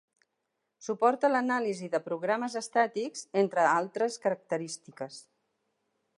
Suporta l'anàlisi de programes estàtics, entre altres característiques.